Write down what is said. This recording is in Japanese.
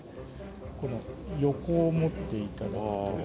この横を持って頂くと。